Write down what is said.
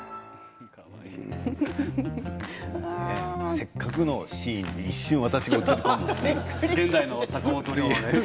せっかくのシーンに一瞬私が映りました。